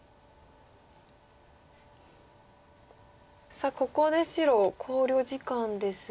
さあここで白考慮時間ですが。